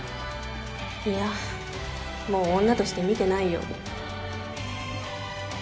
いやもう女として見てないよ」。